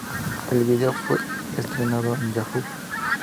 El video fue estrenado en Yahoo!